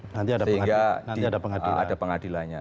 nanti ada pengadilannya